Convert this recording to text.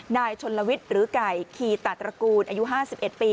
นายชนลวิตหรือไก่คีย์ตาตระกูลอายุห้าสิบเอ็ดปี